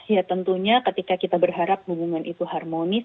ya tentunya ketika kita berharap hubungan itu harmonis